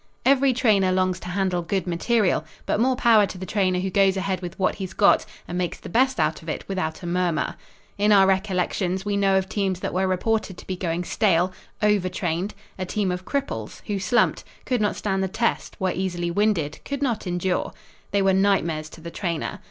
Every trainer longs to handle good material, but more power to the trainer who goes ahead with what he's got and makes the best out of it without a murmur. In our recollections we know of teams that were reported to be going stale "over trained" "a team of cripples" who slumped could not stand the test were easily winded could not endure. They were nightmares to the trainer.